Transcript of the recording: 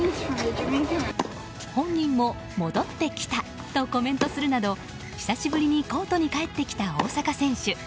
本人も戻ってきたとコメントするなど久しぶりにコートに帰ってきた大坂選手。